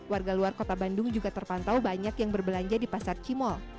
warga luar kota bandung juga terpantau banyak yang berbelanja di pasar cimol